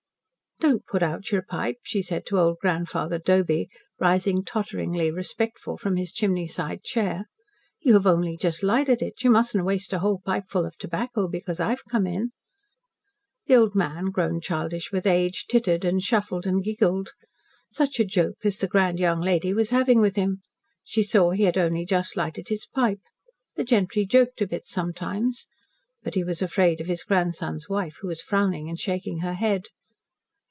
"Don't put out your pipe," she said to old Grandfather Doby, rising totteringly respectful from his chimney side chair. "You have only just lighted it. You mustn't waste a whole pipeful of tobacco because I have come in." The old man, grown childish with age, tittered and shuffled and giggled. Such a joke as the grand young lady was having with him. She saw he had only just lighted his pipe. The gentry joked a bit sometimes. But he was afraid of his grandson's wife, who was frowning and shaking her head.